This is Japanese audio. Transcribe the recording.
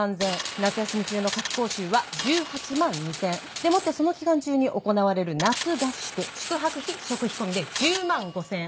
夏休み中の夏期講習は１８万２０００円。でもってその期間中に行われる夏合宿宿泊費食費込みで１０万５０００円。